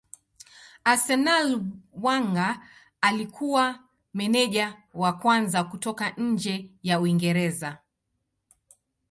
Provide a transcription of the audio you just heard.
Arsenal Wenger alikuwa meneja wa kwanza kutoka nje ya Uingereza.